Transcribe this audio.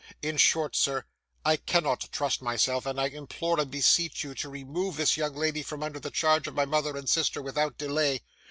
In short, sir, I cannot trust myself, and I implore and beseech you to remove this young lady from under the charge of my mother and sister without delay.